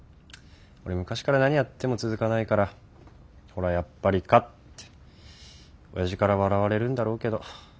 俺昔から何やっても続かないからほらやっぱりかっておやじから笑われるんだろうけど。